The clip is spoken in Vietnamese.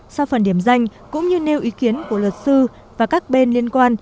sau phần điểm danh cũng như nêu ý kiến của luật sư và các bên liên quan